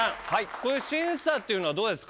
こういう審査っていうのはどうですか？